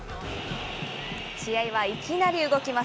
試合はいきなり動きます。